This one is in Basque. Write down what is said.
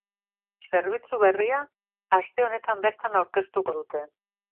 Zerbitzu berria aste honetan bertan aurkeztuko dute.